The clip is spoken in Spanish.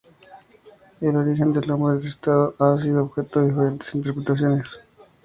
El origen del nombre del estado ha sido objeto de diferentes interpretaciones.